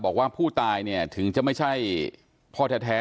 บอกว่าผู้ตายถึงจะไม่ใช่พ่อแท้แท้